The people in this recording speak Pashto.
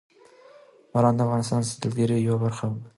باران د افغانستان د سیلګرۍ یوه ښه برخه ده.